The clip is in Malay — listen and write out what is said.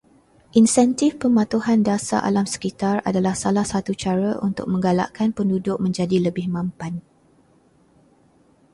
Insentif pematuhan dasar alam sekitar adalah satu cara untuk menggalakkan penduduk menjadi lebih mampan